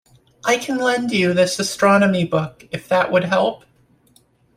I can lend you this astronomy book if that would help